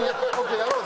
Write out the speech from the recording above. やろうぜ。